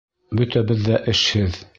Бөтәбеҙ ҙә эшһеҙ.